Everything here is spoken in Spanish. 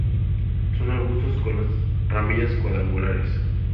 Son arbustos con las ramillas cuadrangulares.